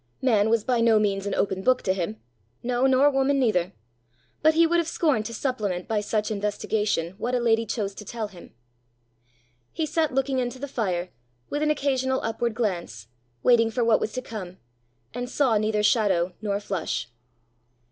Man was by no means an open book to him "no, nor woman neither," but he would have scorned to supplement by such investigation what a lady chose to tell him. He sat looking into the fire, with an occasional upward glance, waiting for what was to come, and saw neither shadow nor flush.